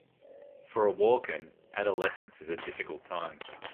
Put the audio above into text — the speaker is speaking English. For a Walken, adolescence is a difficult time.